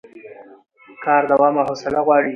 کار دوام او حوصله غواړي